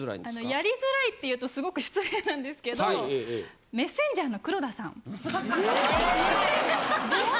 やりづらいって言うとすごく失礼なんですけどメッセンジャーの黒田さん。